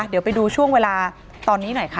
เดี๋ยวไปดูช่วงเวลาตอนนี้หน่อยค่ะ